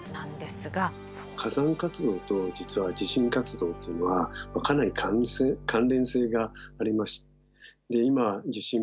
火山活動と実は地震活動というのはかなり関連性があります。